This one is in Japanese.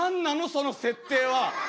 その設定は。